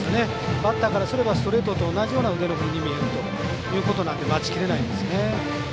バッターからすればストレートと同じような腕の振りに見えるということで待ちきれないんですね。